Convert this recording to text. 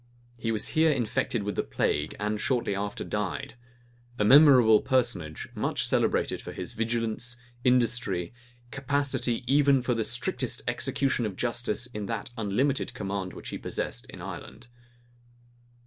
He was here infected with the plague, and shortly after died; a memorable personage, much celebrated for his vigilance, industry, capacity even for the strict execution of justice in that unlimited command which he possessed in Ireland.